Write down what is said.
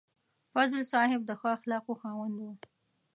فضل صاحب د ښو اخلاقو خاوند و.